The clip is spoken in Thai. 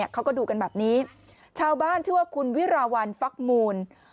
เขาก็ดูกันแบบนี้ชาวบ้านชื่อว่าคุณวิราวัลฟักมูล